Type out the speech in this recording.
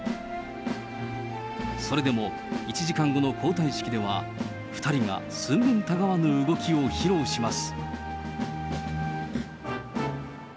それでも、１時間後の交代式では、２人が寸分たがわぬ動きを披露します。